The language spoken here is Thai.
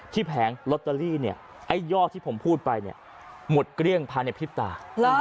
ที่แผงลอตเตอรี่ไอ้ยอดที่ผมพูดไปหมดเกลี้ยงพาในพลิปตา